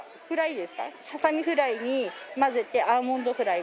ササミフライに混ぜてアーモンドフライ。